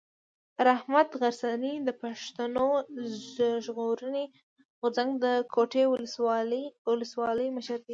رحمت غرڅنی د پښتون ژغورني غورځنګ د کوټي اولسوالۍ مشر دی.